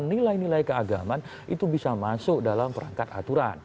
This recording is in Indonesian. nilai nilai keagaman itu bisa masuk dalam perangkat aturan